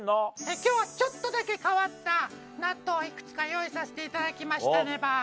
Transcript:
今日はちょっとだけ変わった納豆をいくつか用意させていただきましたネバ。